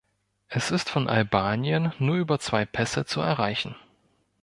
Es ist von Albanien nur über zwei Pässe zu erreichen.